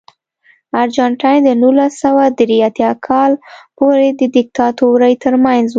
ارجنټاین د نولس سوه درې اتیا کال پورې د دیکتاتورۍ ترمنځ و.